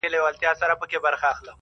اوس له خپل ځان څخه پردى يمه زه,